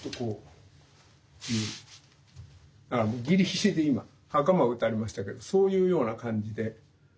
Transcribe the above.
ギリギリで今はかまを打たれましたけどそういうような感じで。